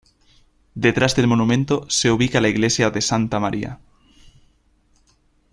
Detrás del monumento se ubica la iglesia de Santa María.